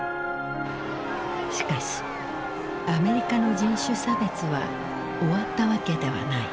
しかしアメリカの人種差別は終わったわけではない。